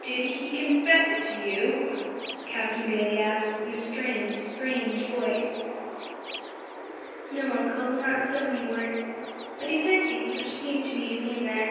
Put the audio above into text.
"Did he confess it to you?" Captain Bayley asked, in a strained, strange voice. "No, uncle, not in so many words, but he said things which seemed to me to mean that.